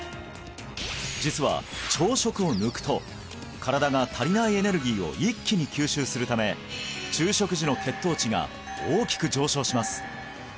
実は朝食を抜くと身体が足りないエネルギーを一気に吸収するため昼食時の血糖値が大きく上昇します